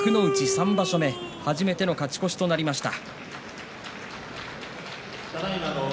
３場所目初めての勝ち越しとなりました。